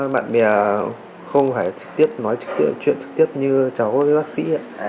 bạn bè không phải trực tiếp nói chuyện trực tiếp như cháu với bác sĩ